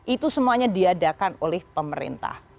itu semuanya diadakan oleh pemerintah